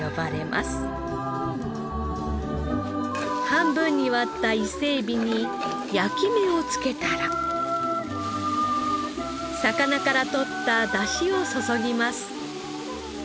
半分に割った伊勢エビに焼き目をつけたら魚から取った出汁を注ぎます。